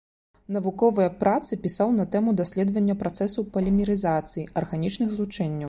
Навуковыя працы пісаў на тэму даследавання працэсаў полімерызацыі арганічных злучэнняў.